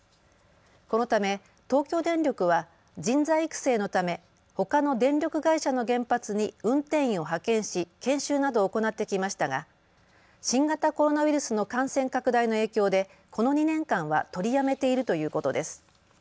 このため、東京電力は人材育成のため、ほかの電力会社の原発に運転員を派遣し研修などを行ってきましたが新型コロナウイルスの感染拡大の影響でこの２年間は取りやめているということです。